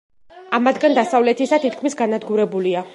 ამათგან დასავლეთისა თითქმის განადგურებულია.